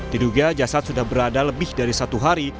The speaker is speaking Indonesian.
diduga jasad sudah berada lebih dari satu hari